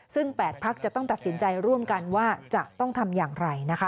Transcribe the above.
ซึ่ง๘พักจะต้องตัดสินใจร่วมกันว่าจะต้องทำอย่างไรนะคะ